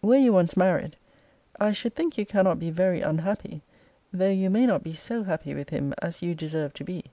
Were you once married, I should think you cannot be very unhappy, though you may not be so happy with him as you deserve to be.